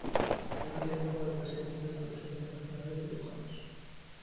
En un tiempo fue el presidente del Colegio Internacional de Cirujanos.